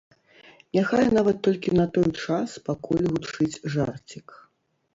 Няхай нават толькі на той час, пакуль гучыць жарцік.